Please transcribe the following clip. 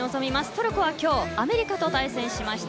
トルコは今日アメリカと対戦しました。